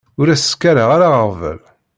Ur as-skaray ara aɣbel.